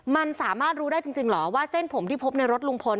มันสามารถรู้ได้จริงเหรอว่าเส้นผมที่พบในรถลุงพล